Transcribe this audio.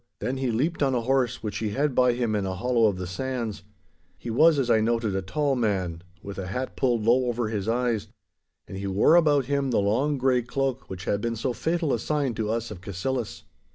Then he leaped on a horse which he had by him in a hollow of the sands. He was, as I noted, a tall man, with a hat pulled low over his eyes, and he wore about him the long grey cloak which had been so fatal a sign to us of Cassillis.